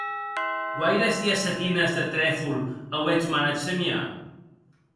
Guaires diacetines de tréfol auetz manat semiar?